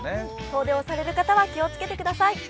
遠出をされる方は気をつけてください。